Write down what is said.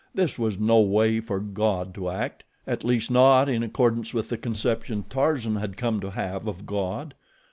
This was no way for God to act, at least not in accordance with the conception Tarzan had come to have of God.